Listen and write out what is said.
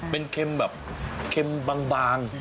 เป็นเค็มแบบเค็มบาง